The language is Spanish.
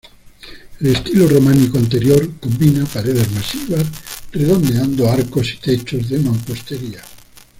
El estilo románico anterior combina paredes masivas, redondeado arcos y techos de mampostería.